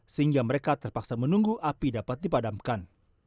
sehingga mereka terpaksa menunggu api dapat dipadamkan